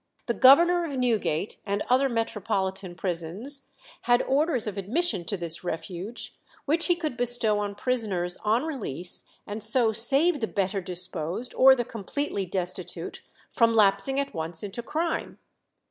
The governor of Newgate and other metropolitan prisons had orders of admission to this refuge, which he could bestow on prisoners on release, and so save the better disposed or the completely destitute from lapsing at once into crime.